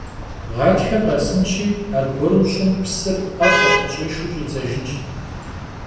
Ğatxer khesınşi, argueru ş'ım psır, 'ef'ır khış'i şşu ş'idzejjınş.